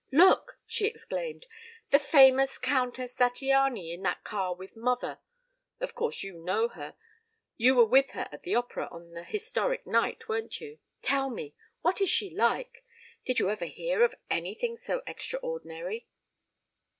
"Look!" she exclaimed. "The famous Countess Zattiany in that car with mother. Of course you know her; you were with her at the opera on the historic night, weren't you? Tell me! What is she like? Did you ever hear of anything so extraordinary?"